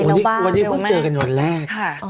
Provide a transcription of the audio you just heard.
๒เดือนแล้ววันนี้พึ่งเจอกันวันแรก